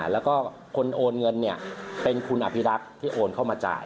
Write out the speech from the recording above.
แล้วก็คนโอนเงินเป็นคุณอภิรักษ์ที่โอนเข้ามาจ่าย